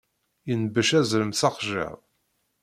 Yenbec azrem s axjiḍ.